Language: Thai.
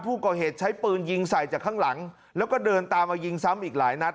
ผู้ก่อเหตุใช้ปืนยิงใส่จากข้างหลังแล้วก็เดินตามมายิงซ้ำอีกหลายนัด